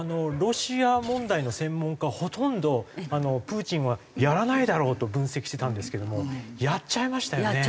ロシア問題の専門家はほとんどプーチンはやらないだろうと分析してたんですけどもやっちゃいましたよね。